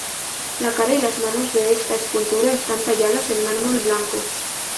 La cara y las manos de esta escultura están talladas en mármol blanco.